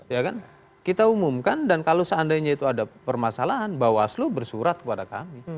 ya kan kita umumkan dan kalau seandainya itu ada permasalahan bawaslu bersurat kepada kami